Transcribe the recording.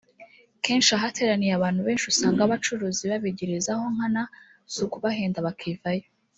Kenshi ahateraniye abantu benshi usanga abacuruzi babigirizaho nkana si ukubahenda bakivayo